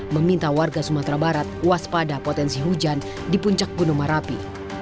meminta warga sumatera barat waspada potensi hujan di puncak gunung merapi